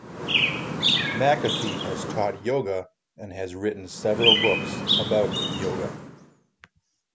McAfee has taught yoga and has written several books about yoga.